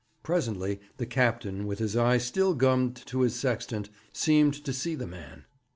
Presently, the captain, with his eye still gummed to his sextant, seemed to see the man.